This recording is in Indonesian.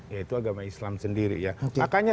yaitu agama islam sendiri ya makanya